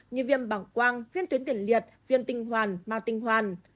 như viêm bằng quang viêm tuyến tiền liệt viêm tinh hoàn ma tinh hoàn